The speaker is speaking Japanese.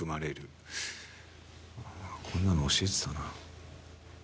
こんなの教えてたな。